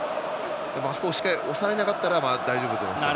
でもあそこで押されなければ大丈夫だと思います。